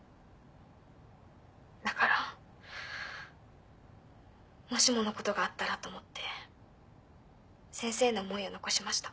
だからもしものことがあったらと思って先生への思いを残しました。